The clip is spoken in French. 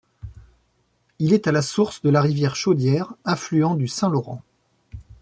Il est à la source de la rivière Chaudière, affluent du Saint-Laurent.